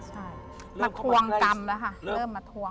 ใช่มาทวงกรรมแล้วค่ะเริ่มมาทวง